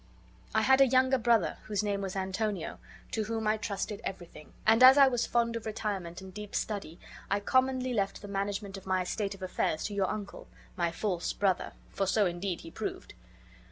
had a younger brother, whose name was Antonio, to whom I trusted everything; and as I was fond of retirement and deep study I commonly left the management of my state affairs to your uncle, my false brother (for so indeed he proved).